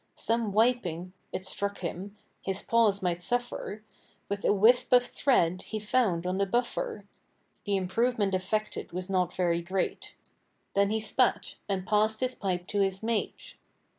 Some wiping it struck him his paws might suffer With a wisp of thread he found on the buffer (The improvement effected was not very great); Then he spat, and passed his pipe to his mate.